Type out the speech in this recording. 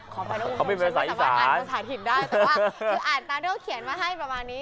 เขาไม่เป็นภาษาอีสานเขาไม่สามารถอ่านภาษาถิตได้แต่ว่าคืออ่านตามด้วยเขียนมาให้ประมาณนี้